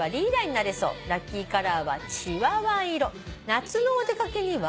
「夏のお出かけには」？